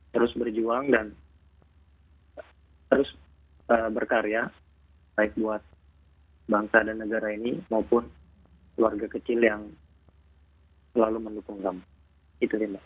terus berjuang dan terus berkarya baik buat bangsa dan negara ini maupun keluarga kecil yang selalu mendukung kamu